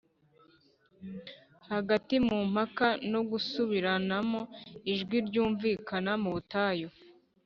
Hagati mu mpaka no gusubiranamo, ijwi ryumvikanira mu butayu